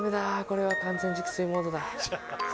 これは完全熟睡モードだ